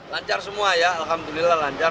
lancar semua ya alhamdulillah lancar